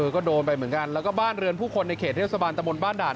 ก็โดนไปเหมือนกันแล้วก็บ้านเรือนผู้คนในเขตเทศบาลตะบนบ้านด่าน